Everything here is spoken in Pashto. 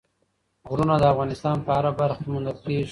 غرونه د افغانستان په هره برخه کې موندل کېږي.